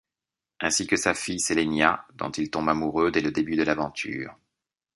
Ainsi que sa fille... Sélénia dont il tombe amoureux dès le début de l’aventure.